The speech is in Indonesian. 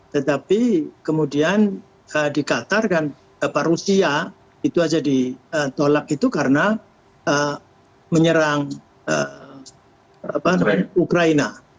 tetapi kemudian di qatar kan rusia itu saja ditolak itu karena menyerang ukraina